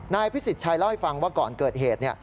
พิสิทธิ์ชัยเล่าให้ฟังว่าก่อนเกิดเหตุ